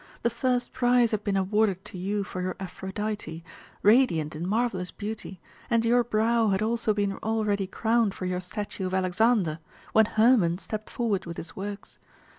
The first prize had been awarded to you for your Aphrodite, radiant in marvellous beauty, and your brow had also been already crowned for your statue of Alexander, when Hermon stepped forward with his works.